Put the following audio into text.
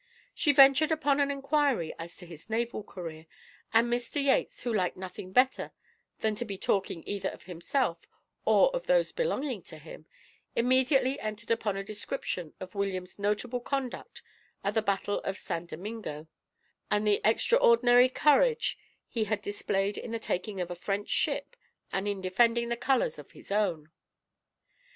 She ventured upon an inquiry as to his naval career, and Mr. Yates, who liked nothing better than to be talking either of himself or of those belonging to him, immediately entered upon a description of William's notable conduct at the battle of St. Domingo, and the extraordinary courage he had displayed in the taking of a French ship and in defending the colours of his own.